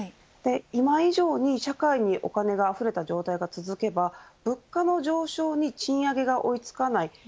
今以上に社会にお金があふれた状態が続けば物価の状況に賃上げが追いつかない